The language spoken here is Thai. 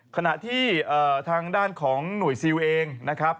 ขณะที่ทางด้านของหน่วยซิลเองนะครับ